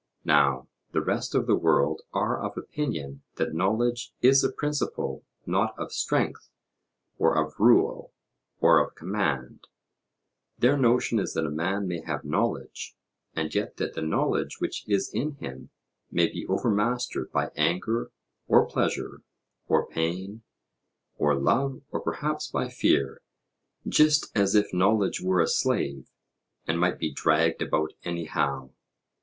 Now the rest of the world are of opinion that knowledge is a principle not of strength, or of rule, or of command: their notion is that a man may have knowledge, and yet that the knowledge which is in him may be overmastered by anger, or pleasure, or pain, or love, or perhaps by fear, just as if knowledge were a slave, and might be dragged about anyhow.